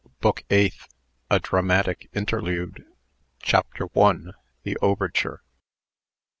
BOOK EIGHTH. A DRAMATIC INTERLUDE. CHAPTER I. THE OVERTURE.